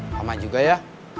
lama juga ya